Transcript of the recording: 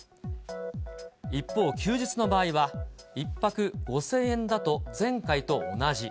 一方、休日の場合は、１泊５０００円だと前回と同じ。